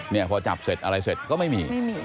พอจับเสร็จอะไรเสร็จก็ไม่มี